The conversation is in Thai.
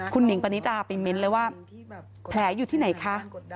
คุณหิงปณิตาไปเม้นเลยว่าแผลอยู่ที่ไหนคะ